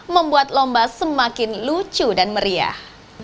membuat lomba semakin lucu dan meriah